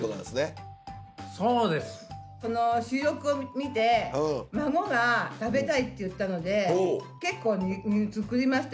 収録を見て孫が食べたいって言ったので結構作りましたよ。